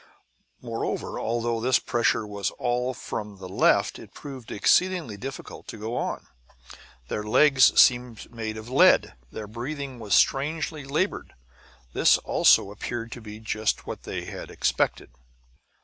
Moreover, although this pressure was all from the left, it proved exceedingly difficult to go on. Their legs seemed made of lead, and their breathing was strangely labored. This, also, appeared to be just what they had expected.